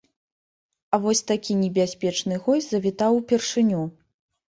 А вось такі небяспечны госць завітаў упершыню.